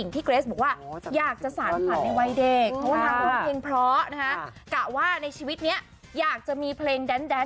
แต่ว่าในชีวิตเนี่ยอยากจะมีเพลงแดน